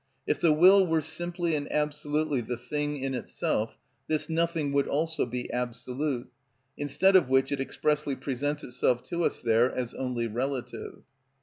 If the will were simply and absolutely the thing in itself this nothing would also be absolute, instead of which it expressly presents itself to us there as only relative.